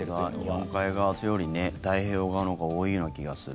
日本海側というより太平洋側のほうが多いような気がする。